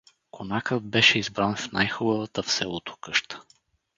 Конакът беше избран в най-хубавата в селото къща.